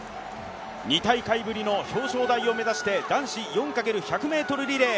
２大会ぶりの表彰台を目指して男子４×１００ｍリレー。